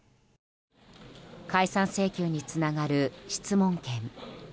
解散請求につながる、質問権。